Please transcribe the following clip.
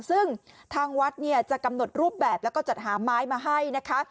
ซึ่งทางวัดเนี่ยจะกำหนดรูปแบบแล้วก็จัดหาไม้มาให้นะคะ